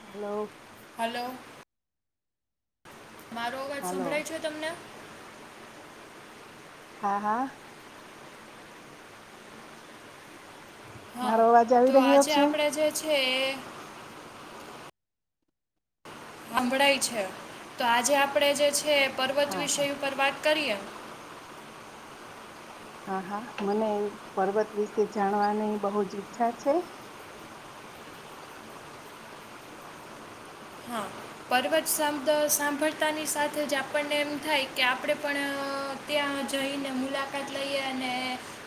હ. હલો. મારો અવાજ હલો સંભળાય છે તને? હા હા. હા મારો અવાજ તો આવી રહ્યો આજે છે આપણે જે છે એ. સાંભળાઈ છે તો આજે આપણે જે છે પર્વત હા વિષય ઉપર વાત કરીએ. હા હા મને પર્વત વિશે જાણવાની બહુ જ ઈચ્છા છે. હા [inaudible] પર્વત સા સાંભળતાની સાથેજ આપણને એમ થાય કે આપણે પણ. ત્યાં જઈને મુલાકાત લઈએ અને.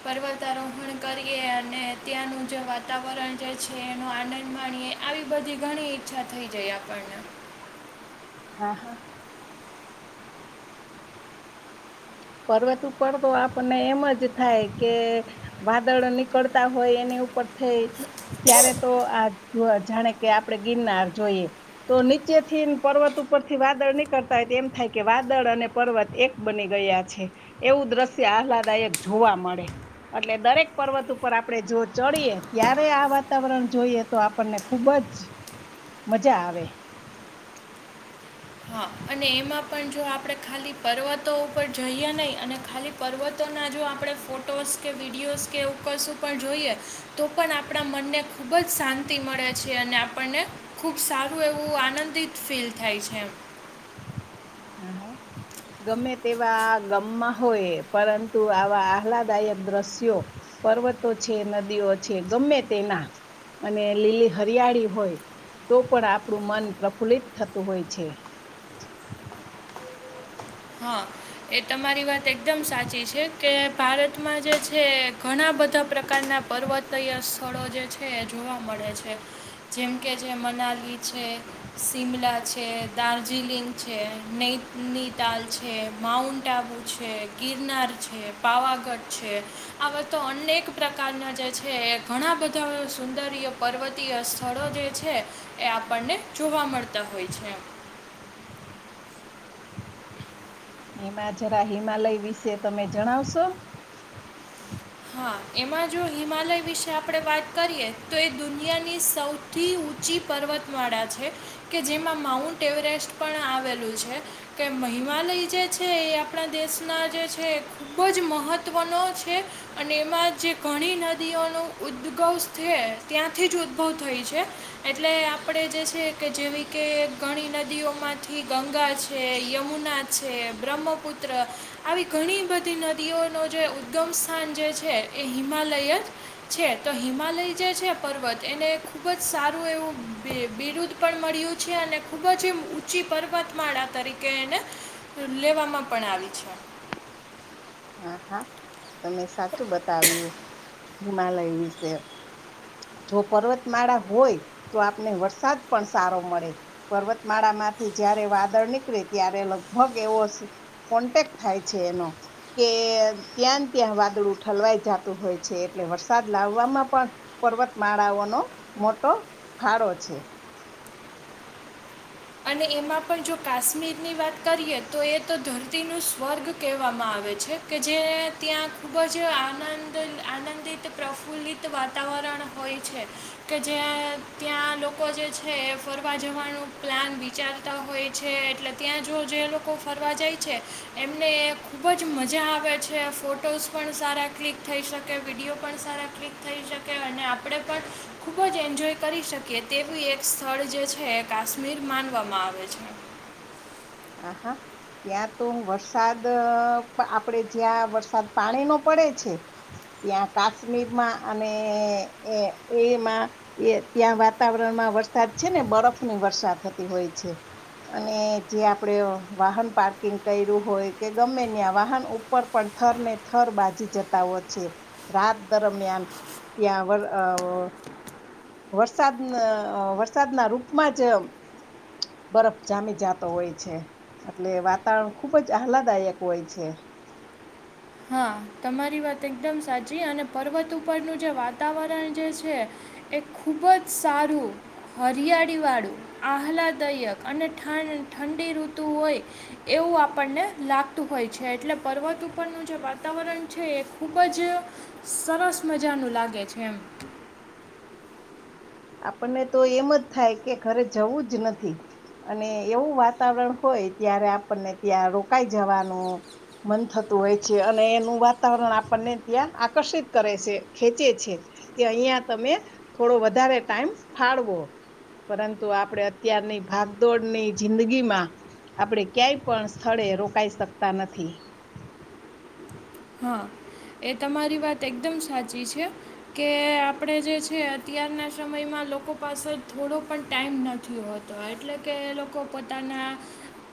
પર્વતારોહણ કરીએ અને ત્યાંનું જે વાતાવરણ જે છે એનો આનંદ માણીએ. આવી બધી ઘણી ઈચ્છા થઈ જાય આપણને. હા હા. પર્વત ઉપર તો આપણને એમ જ થાય કે. વાદળ નીકળતા હોય એની ઉપર થઈ. ત્યારે તો આ જાણે કે આપણેે ગિરનાર જોઈએ. તો નીચે થી પર્વત ઉપરથી વાદળ નીકળતા હોય એમ થાય કે વાદળ અને પર્વત એક બની ગયા હતા. એવું દ્રશ્ય આહલાદાયક જોવા મળે. એટલે દરેક પર્વત ઉપર આપણે જો ચડીએ ત્યારે આ વાતાવરણ જોઈએ તો આપણને ખુબજ. મજા આવે. હા અને એમાં પણ જો આપણે ખાલી પર્વતો ઉપર જઈએ નહીં અને ખાલી. પર્વતોના જો આપણે ફોટોસ કે વિડીયોઝ કે એવું કશું પણ જોઈએ. તો પણ આપણા મનને ખૂબજ શાંતિ મળે છે અને આપણને. ખૂબ સારું એવું આનંદિત ફીલ થાય છે. હમ્મ. ગમે તેવા ગમમાં હોય પરંતુ આવા આહલાદાયક દ્રશ્યો. પર્વતો છે નદીઓ છે ગમે તેના. અને લીલી હરિયાળી હોય તો પણ આપણું મન પ્રફુલ્લિત થતું હોય છે. હા એ તમારી વાત એકદમ સાચી છે કે ભારતમાં જે છે ઘણા બધા પ્રકારના પર્વત. તૈય સ્થળો જે છે એ જોવા મળે છે જેમ કે જે મનાલી છે. શિમલા છે દાર્જિલિંગ છે નૈનીતાલ છે. માઉન્ટ આબુ છે ગિરનાર છે પાવાગઢ છે. આ તો અનેક પ્રકારના જે છે ઘણા બધા સુંદર પર્વતીય. સ્થળો જે છે એ આપણને જોવા મળતા હોય છે. હમા જરા હિમાલય વિશે તમે જણાવશો. હા એમાં જો હિમાલય વિશે આપણે વાત કરીએ તો એ દુનિયાની સૌ. સૌથી ઊંચી પર્વતમાળા છે કે જેમાં માઉન્ટ એવરેસ્ટ પણ આવેલું છે. કે મહિમાલય જે છે એ આપણા દેશના જે છે ખૂબ જ મહત્ત્વનો છે. અને એમાં જે ઘણી નદીઓનો ઉદ્ગવ છે ત્યાંથી જ ઉદ્ભવ થાય છે. એટલે આપણે જે છે કે જેવી કે ઘણી નદીઓમાંથી ગંગા છે યમુના. છે બ્રહ્મપુત્ર આવી ઘણી બધી નદીઓનો જે ઉદગમ. થ જે છે એ હિમાલયત. છે તો હિમાલય જે છે પર્વત એને ખુબજ સારું એવું બિરુદ. પણ મળ્યું છે અને ખુબજ એ ઊંચી પર્વતમાળા તરીકે એને. લેવામાં પણ આવી છે. હા હા તમે સાચું બતાવ્યું હિમાલય વિશે. જો પર્વતમાળા હોય તો આપને વરસાદ પણ સારો મળે. પર્વતમાળા માંથી જયારે વાદળ નીકળે ત્યારે લગભગ એવો. કોન્ટેક્ટ થાય છે એનો. કે ત્યાં ત્યાં વાદળું ઠલવાઈ જતું હોય છે એટલે વરસાદ લાવવામાં પણ. પર્વતમાળાઓનોો મોટો ખાડો છે અને એમાં પણ જો કાશ્મીરની વાત કરીએ તો એ તો ધરતીનું સ્વર્ગ કહેવામાં આવે છે કે જે ત્યાં ખૂબ જ આનંદ આનંદિત પ્રફુલ્લિત વાતાવરણ હોય છે કે જ્યાં ત્યાં લોકો જે છે એ ફરવા જવાનું પ્લાન વિચારતા હોય છે એટલે ત્યાં જો જે લોકો ફરવા જાય છે એમને ખૂબ જ મજા આવે છે ફોટોઝ પણ સારા ક્લિક થઈ શકે વિડીયો પણ સારા ક્લિક થઈ શકે અને આપણે પણ ખુબ જ એન્જોય કરી શકીએ તેવું એક સ્થળ જે છે કાશ્મીર માનવામાં આવે છે આ હા ત્યાં તો વરસાદ આપડે જ્યાં વરસાદ પાણી નો પડે છે ત્યાં કાશ્મીરમાં અને એ એમાં એ ત્યાં વાતાવરણમાં વરસાદ છે ને બરફ ની વરષા થતી હોય છે અને જે આપણે વાહન પાર્કિંગ કર્યું હોય કે ગમે ત્યાં વાહન ઉપર પણ થરને થર બાજી જતા હોય છે રાત દરમિયાન ત્યાં વરસાદ વરસાદના રૂપમાં જ બરફ જામી જતો હોય છે એટલે વાતાવરણ ખુબ જ આહલાદાયક હોય છે હા તમારી વાત એકદમ સાચી અને પર્વત ઉપરનું જે વાતાવરણ જે છે એ ખૂબ જ સારું હરિયાળી વાળું આહલાદાયક અને ઠંડી ઋતુ હોય એવું આપણને લાગતું હોય છે એટલે પર્વત ઉપરનું જે વાતાવરણ છે એ ખૂબ જ સરસ મજાનું લાગે છે એમ આપણને તો એમ જ થાય કે ઘરે જવું જ નથી અને એવું વાતાવરણ હોય ત્યારે આપણને ત્યાં રોકાઈ જવાનું મન થતું હોય છે અને એનું વાતાવરણ આપડને ત્યાં આકર્ષિત કરે શે ખેંચે છે. કે અહિયા તમે થોડો વધારે ટાઈમ ફાળવો. પરંતુ આપડે અત્યારની ભાગદોડની જિંદગીમાં આપડે ક્યાંય પણ સ્થળે રોકાઈ શકતા નથી. હન, એ તમારી વાત એકદમ સાચી છે. કે આપણે જે છે અત્યારના સમયમાં લોકો પાસે થોડો પણ ટાઈમ નથી હોતો તો એટલે કે લોકો પોતાના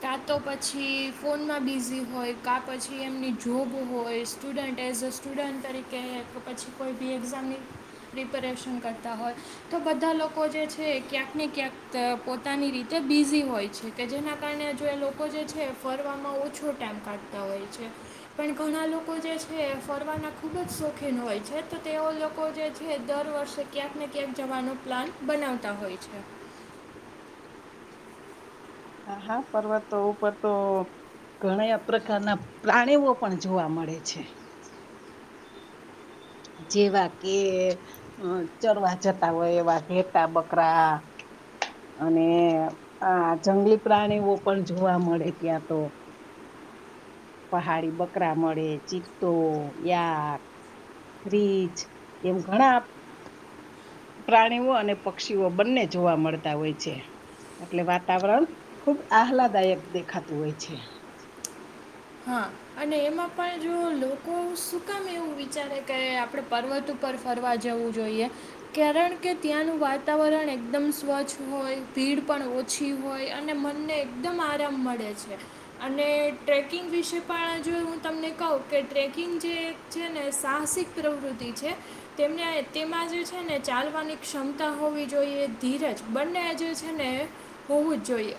કા તો પછી ફોનમાં બિઝી હોય કા પછી એમની જોબ હો કોઈ સ્ટુડન્ટ એઝ અ સ્ટુડન્ટ તરીકે એક પછી કોઈ બી એક્ઝામની પ્રિપરેશન કરતા હોત તો બધા લોકો જે છે ક્યાંક ને ક્યાંક પોતાની રીતે બિઝી હોય છે કે જેના કારણે જો એ લોકો જે છે ફરવામાં ઓછો ટાઈમ કાઢતા હોય છે પણ ઘણા લોકો જે છે, ફરવાના ખૂબ જ શોખીન હોય છે તો તેઓ લોકો જે છે દર વર્ષે ક્યાંક ને ક્યાંક જવાનો પ્લાન બનાવતા હોય છે. હા, હા પર્વતતો ઉપર તો ઘણાય પ્રકારના પ્રાણીઓ પણ જોવા મળે છે. જેવા કે હન, ચરવા જતા હોય એવા ઘેટા-બકરા અને આ જંગલી પ્રાણીઓ પણ જોવા મળે ત્યાં તો. પહાડી બકરા મળે, ચિત્તો, યાક રીછ એમ ઘણા આપ પ્રાણીઓ અને પક્ષીઓ બંને જોવા મળતા હોય છે. એટલે વાતાવરણ ખુબ આહલાદાયક દેખાતું હોય છે. હા, અને એમાં પણ જો લોકો શું કામ એવું વિચારે કે આપડે પર્વત ઉ પર ફરવા જવું જોઈએ. કારણ કે, ત્યાંનું વાતાવરણ એકદમ સ્વચ્છ હોય, ભીડ પણ ઓ ઓછી હોય અને મનને એકદમ આરામ મળે છે. અને ટ્રેક કિંગ વિશે પણ જો હું તમને કઉ કે, ટ્રેકિંગ જે છે ને સાહસિક પ્રવૃત્તિ છે. તેમને તેમાં જે છે ને ચાલવાની ક્ષમતા હોવી જોઈએ, ધીરજ બંને જે છે ને એ હોવું જ જોઈએ.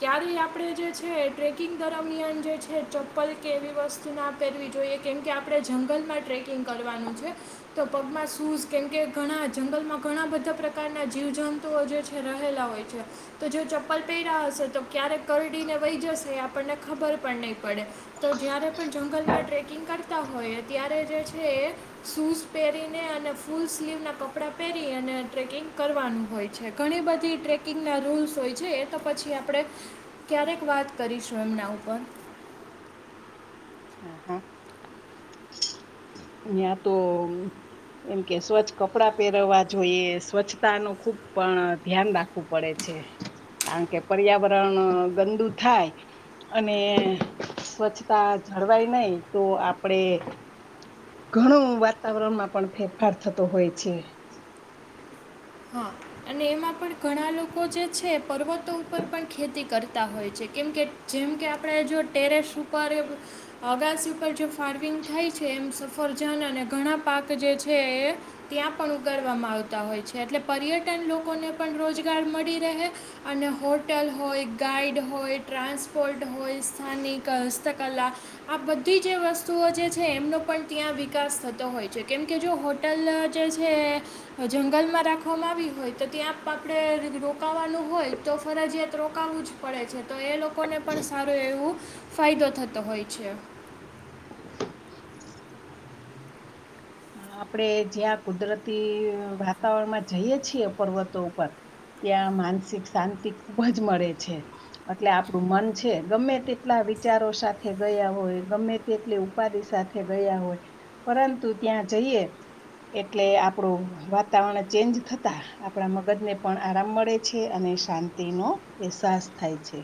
ક્યારે આપડે જે છે ટ્રેકિંગ દરમિયાન જે છે ચપ્પલ કે એવી વસ્તુ ના પેરવી જોઈએ કેમ કે આપડે જંગલમાં ટ્રેકિંગ કરવાનું છે તો પગમાં શૂઝ કેમ કે ઘણા જંગલમાં ઘણા બધા પ્રકારના જીવજંતુઓ જે છે એ રહેલા હોય છે તો જો ચપ્પલ પેયરા હશે તો ક્યારેક કરડીને વઈ જશે એ આપડને ખબર પણ નઈ પડે. તો જયારે પણ જંગલમાં ટ્રેકિંગ કર તા હોયે, ત્યારે જે છે એ શૂઝ પહેરીને અને ફૂલ સ્લીવના કપડા પહેરી અને ટ્રેકિંગ કરવાનું હોય છે. ઘણી બધી ટ્રેકિંગના રૂલ્સ હોય છે એ તો પછી આપડે ક્યારેક વાત કરીશું એમના ઉપર. અ હન. ન્યા તો એમ કે સ્વચ્છ કપડાં પહેરવા જોઈએ, સ્વચ્છતાનો ખુબ પણ ધ્યાન રાખ વુ પડે છે. કારણ કે, પર્યાવરણ ગંદુ થાય અને સ્વચ્છતા જળવાય નઈ તો આપડે ઘણું વાતાવરણમાં પણ ફેરફાર થતો હોય છે. હા. અને એમાં પણ ઘણા લોકો જે છે, પર્વતો ઉપર પણ ખેતી કરતા હોય છે કેમ કે જેમ કે આપડે જો ટેરેસ ઉપર અગાસ ઉપર જે ફાર્મિંગ થાય છે, એમ સફરજન અને ઘણા પાક જે છે એ ત્યાં પણ ઉગાડવામાં આવતા હોય છે, એટલે પર્યટન લોકોને પણ રોજગાર મળી રહે અને હોટલ હોય, ગાઈડ હોય, ટ્રાન્સપોર્ટ હોય, સ્થાનિક હસ્તકલા આ બધી જે વસ્તુઓ જે છે એમનો પણ ત્યાં વિકાસ થતો હોય છે કેમકે જો હો લ જે છે જંગલમાં રાખવામાં આવી હોય તો ત્યાં આપણે રોકાવાનું હોય તો ફરજીિયાત રોકાવું જ પડે છે તો એ લોકોને પણ સારું એવું ફાયદો થતો હોય છે. હન, આપડે જ્યાં કુદરતી વાતાવરણમાં જઈએ છીએ, પર્વતો ઉપર ત્યાં માનસિક શાંતિ ખુબ જ મળે છે. એટલે આપડુ મન છે ગમે તેટલા વિચારો સાથે ગયા હોય, ગમે તેટલી ઉપાધિ સાથે ગયા હોય, પરંતુ ત્યાં જઈએ એટલે આપડુ વાતાવરણ ચેન્જ થતાં આપડા મગજને પણ આરામ મળે છે અને શાંત તેનો અહેસાસ થાય છે.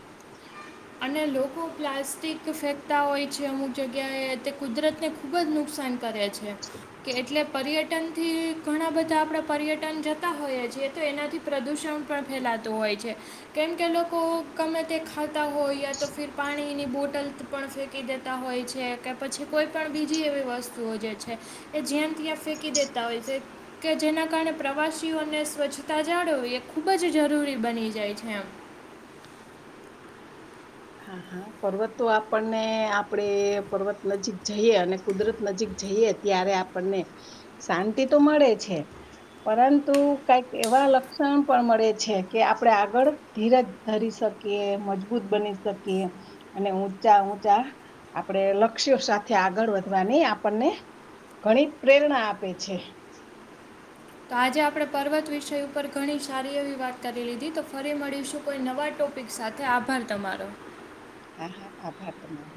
અને લોકો પ્લાસ્ટિક ફેંકતા હોય છે અમુક જગ્યાએ તે કુદરતને. ખૂબ જ નુકસાન કરે છે કે એટલે પર્યટ પર્યટનથી ઘણા બધા આપણા પર્યટન જતા હોઈએ છીએ તો એનાથી પ્રદૂષણ પણ ફેલાતું હોય છે કેમ કે લોકો ગમે તે ખાતા હોય તો ફીર પાણી ની બોટલ પણ ફેંકી દેતા હોય છે કે પછી કોઈ પણ બીજી એવી વસ્તુ જે છે એ જ્યામ ત્યાં ફેંકી દેતા હોય છે. કે જેના કારણે પ્રવાસીઓને સ્વચ્છતા જાળવવી એ ખૂબ જ જરૂરી બની જાય છે એમ. હા હા. પર્વતો આપણને આપડે પર્વત નજીક જઈએ અને કુદરત નજીક જઈએ ત્યારે આપ આપણને શાંતિ તો મળે છે. પરંતુ કઈક એવા લક્ષણ પણ મળે છે કે આપણેે આગળ ધીરજ ધરી શકીએ મજબૂત બની શકીએ અને ઊચા ઊંચા. આપણે લક્ષ્યો સાથે આગળ વધવાની આપણને ઘણી પ્રેરણા આપે છે. તો આજે આપણે પર્વત વિષય ઉપર ઘણી સારી એવી વાત કરી લીધી તો ફરી મળીશું કોઈ નવા ટોપ ટપિક સાથે આભાર તમારો. હા હા આભાર તમારો